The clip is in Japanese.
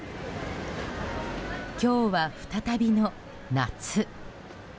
今日は再びの夏。